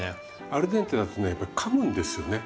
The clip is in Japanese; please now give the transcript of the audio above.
アルデンテだとねやっぱりかむんですよね。